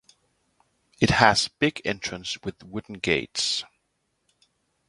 It has big entrance with wooden gates.